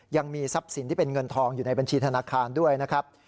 ยังมีทรัพย์สินที่เป็นเงินทองอยู่ในบัญชีธนาคารด้วยนะครับ